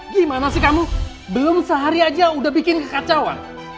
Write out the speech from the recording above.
gimana sih kamu belum sehari aja udah bikin kekacauan